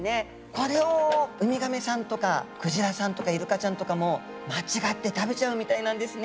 これをウミガメさんとかクジラさんとかイルカちゃんとかも間違って食べちゃうみたいなんですね。